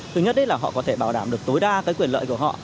thứ nhất là họ có thể bảo đảm được tối đa cái quyền lợi của họ